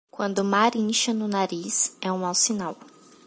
Quando o mar incha no nariz, é um mau sinal.